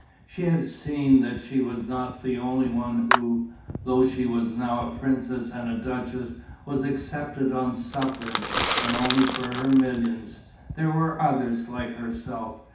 She had seen that she was not the only one who, though she was now a princess and duchess, was accepted on sufferance and only for her millions: there were others like herself.